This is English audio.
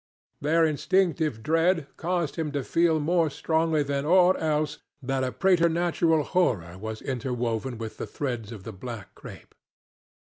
Their instinctive dread caused him to feel more strongly than aught else that a preternatural horror was interwoven with the threads of the black crape.